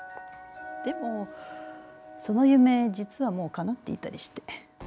でもその夢実はもうかなっていたりして。